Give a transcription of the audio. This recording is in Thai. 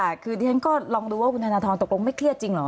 อย่างนั้นก็ลองดูว่าคุณธนทรตกลงไม่เครียดจริงเหรอ